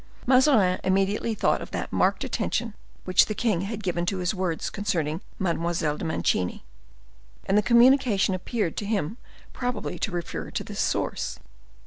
Mazarin immediately thought of that marked attention which the king had given to his words concerning Mademoiselle de Mancini, and the communication appeared to him probably to refer to this source.